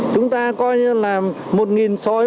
chúng ta coi như là một nghìn sói